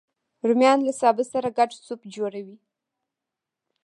رومیان له سابه سره ګډ سوپ جوړوي